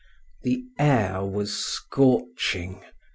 The air was scorching.